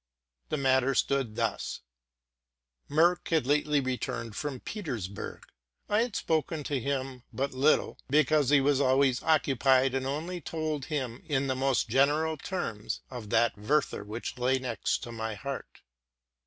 The matter stood thus: Merck had lately returned from Petersburg; I had spoken to him but little, because he was always occupied, and only told him, in the most general terms, of that '* Werther '' which lay next my heart.